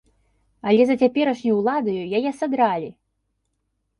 Але за цяперашняй уладаю яе садралі!